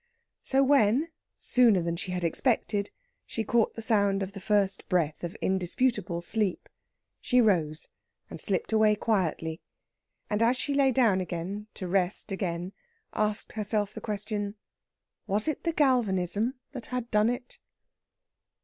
So when, sooner than she had expected, she caught the sound of the first breath of indisputable sleep, she rose and slipped away quietly, and as she lay down again to rest again asked herself the question: Was it the galvanism that had done it?